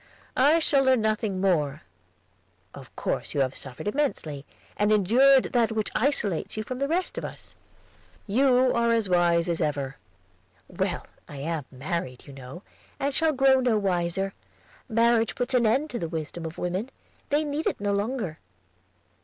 "I shall learn nothing more." "Of course you have suffered immensely, and endured that which isolates you from the rest of us." "You are as wise as ever." "Well, I am married, you know, and shall grow no wiser. Marriage puts an end to the wisdom of women; they need it no longer."